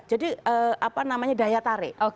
jadi apa namanya daya tarik